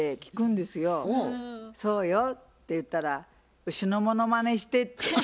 「そうよ」って言ったら「牛のモノマネして」って。